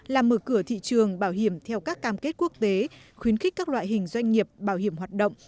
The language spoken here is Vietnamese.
là mở cửa thị trường bảo hiểm theo các cam kết quốc tế khuyến khích các loại hình doanh nghiệp bảo hiểm hoạt động